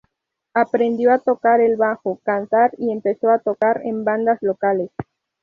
Aprendió a tocar el bajo, cantar y empezó a tocar en bandas locales.